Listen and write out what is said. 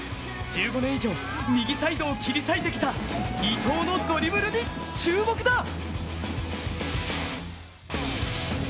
１５年以上、右サイドを切り裂いてきた伊東のドリブルに注目だ！